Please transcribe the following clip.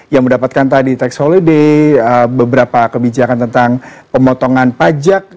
yang mendapatkan tadi tax holiday beberapa kebijakan tentang pemotongan pajak